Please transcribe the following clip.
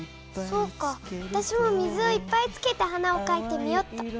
そうか私も水をいっぱいつけて花をかいてみよっと。